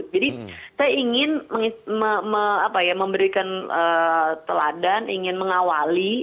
jadi saya ingin memberikan teladan ingin mengawali